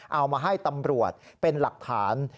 เอามาให้ตำรวจเป็นหลักฐาน